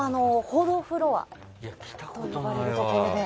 報道フロアと呼ばれるところで。